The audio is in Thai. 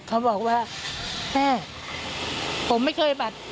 เขาบอกว่าแม่ผมไม่เคยบัตร